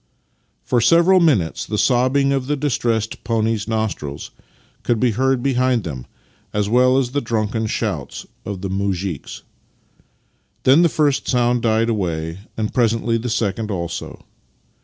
" For several minutes the sobbing of the distressed pony's nostrils could be heard behind them, as well as the drunken shouts of the muzhiks. Then the first sound died away, and presently the second also.